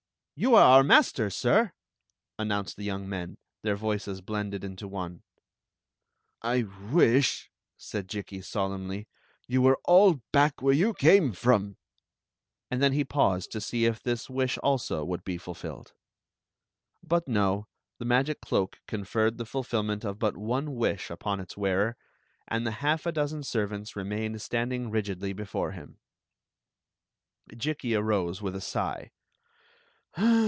" You are our master, sir !" announced the young men, their voices blended into one. " I wish," said Jikki, solemnly, "yott wete all Queen Zixi o f Ix; or, the where you came from !" And then he paused to see if this wish also would be fulfilled. But no; the magic cloak conferred the fulfilment of but one wish upon its wearer, and the half a dozen servants re mained standing rigidly before him. Jikki arose with a sigh.